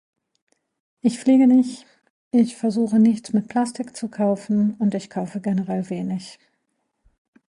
Ich fliege nicht, ich versuche nichts mit Plastik zu kaufen und ich kaufe generell wenig.